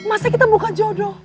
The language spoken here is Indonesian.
masa kita bukan jodoh